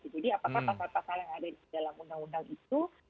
jadi apakah pasal pasal yang ada di dalam undang undang itu